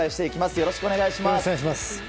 よろしくお願いします。